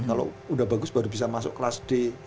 kalau udah bagus baru bisa masuk kelas d